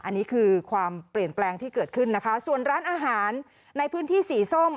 อันนี้คือความเปลี่ยนแปลงที่เกิดขึ้นนะคะส่วนร้านอาหารในพื้นที่สีส้ม